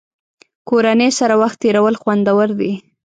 کورنۍ سره وخت تېرول خوندور دي.